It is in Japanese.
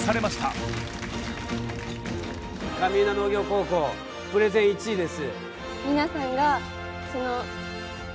上伊那農業高校プレゼン１位です。